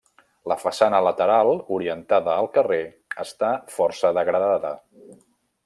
La façana lateral, orientada al carrer, està força degradada.